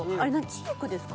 チークですか？